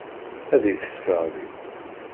Ad iyi-tesseɣli.